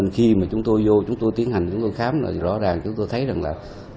khi mà chúng tôi vô chúng tôi tiến hành chúng tôi khám là rõ ràng chúng tôi thấy rằng là